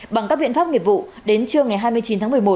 bằng các biện pháp nghiệp vụ đến trưa ngày hai mươi chín tháng một mươi một